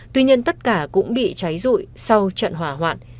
tuy nhiên tất cả cũng bị cháy rụi sau trận hỏa hoạn